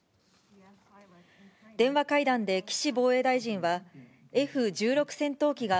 電話会談で岸防衛大臣は、Ｆ１６戦闘機が、